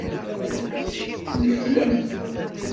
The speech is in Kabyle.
Tneflemt.